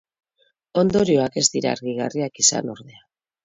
Ondorioak ez dira argigarriak izan, ordea.